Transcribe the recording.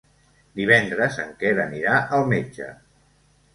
Divendres en Quer anirà al metge.